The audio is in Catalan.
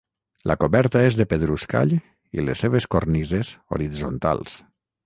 La coberta és de pedruscall i les seves cornises horitzontals.